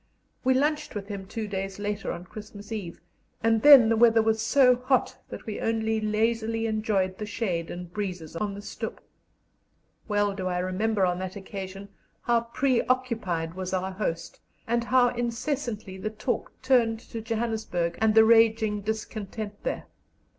We lunched with him two days later on Christmas Eve, and then the weather was so hot that we only lazily enjoyed the shade and breezes on the stoep. Well do I remember on that occasion how preoccupied was our host, and how incessantly the talk turned to Johannesburg and the raging discontent there.